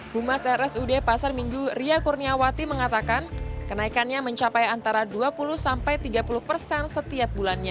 humas rsud pasar minggu ria kurniawati mengatakan kenaikannya mencapai antara dua puluh sampai tiga puluh persen setiap bulannya